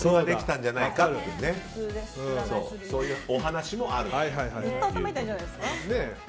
そういうお話もあると。